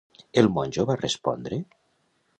El monjo va respondre?